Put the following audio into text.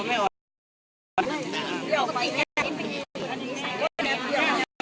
มีแต่โดนล้าลาน